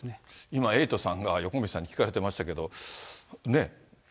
今、エイトさんが横道さんに聞かれてましたけど、ね？